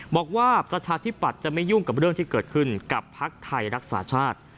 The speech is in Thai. บอกว่าประชาธิปัตย์จะไม่ยุ่งกับเรื่องที่เกิดขึ้นกับภักดิ์ไทยรักษาชาติ